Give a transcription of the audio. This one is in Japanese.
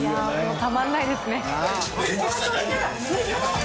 たまんないですね。